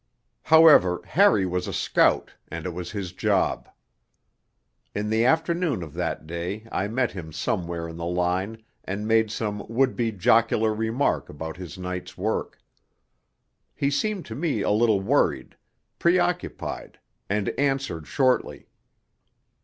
However, Harry was a scout, and it was his job. In the afternoon of that day I met him somewhere in the line and made some would be jocular remark about his night's work. He seemed to me a little worried, preoccupied, and answered shortly.